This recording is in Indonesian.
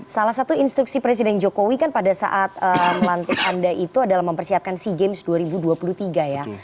salah satu instruksi presiden jokowi kan pada saat melantik anda itu adalah mempersiapkan sea games dua ribu dua puluh tiga ya